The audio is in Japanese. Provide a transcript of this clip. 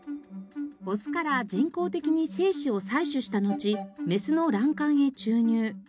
オスから人工的に精子を採取したのちメスの卵管へ注入。